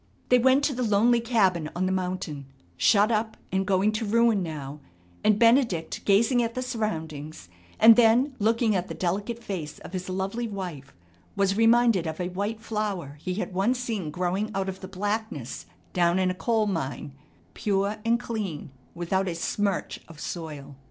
They went to the lonely cabin on the mountain, shut up and going to ruin now, and Benedict gazing at the surroundings and then looking at the delicate face of his lovely wife was reminded of a white flower he had once seen growing out of the blackness down in a coal mine, pure and clean without a smirch of soil.